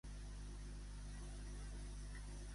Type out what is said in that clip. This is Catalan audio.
On van ser enterrats primerament Lleonci i Carpòfor?